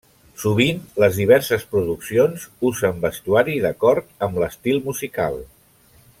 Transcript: Sovint, les diverses produccions usen vestuari d'acord amb l'estil musical.